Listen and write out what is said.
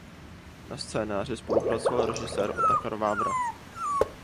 Na scénáři spolupracoval režisér Otakar Vávra.